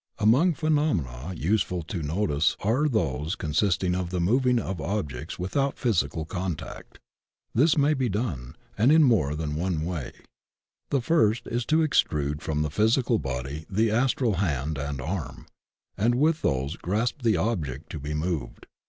Among phenomena useful to notice are those con APPORTATION, CLAIRVOYANCE, ETC. 141 sisting of the moving of objects without physical con tact. This may be done, and in more than one way. The first is to extrude from the physical body the Astral hand and arm, and with those grasp the object to be moved.